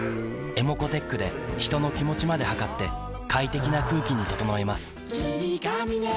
ｅｍｏｃｏーｔｅｃｈで人の気持ちまで測って快適な空気に整えます